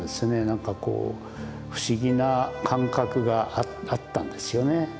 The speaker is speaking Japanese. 何かこう不思議な感覚があったんですよね。